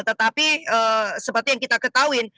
tetapi seperti yang kita ketahui